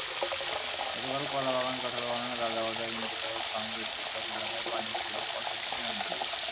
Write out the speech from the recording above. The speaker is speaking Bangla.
গতকাল কলাবাগান, কাঁঠালবাগান, রাজাবাজার, ইন্দিরা রোড, ফার্মগেট—এসব এলাকায় পানি ছিল পথের কিনার দিয়ে।